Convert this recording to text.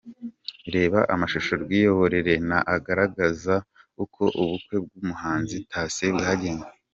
Reba amashusho 'Rwiyoborere'anagaragaza uko ubukwe bw'umuhanzi Thacien bwagenze .